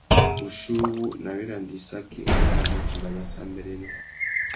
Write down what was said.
Wuchiuwú, nà wiranda-issaki, wa yānamú utimba ayássámbérénô.